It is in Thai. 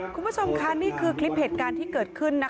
คุณผู้ชมค่ะนี่คือคลิปเหตุการณ์ที่เกิดขึ้นนะคะ